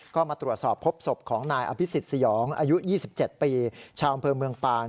ก็มาตรวจสอบพบศพของนายอภิษฎสยองอายุ๒๗ปีชาวอำเภอเมืองปาน